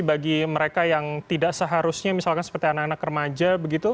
bagi mereka yang tidak seharusnya misalkan seperti anak anak remaja begitu